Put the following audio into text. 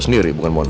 lo sendiri bukan mona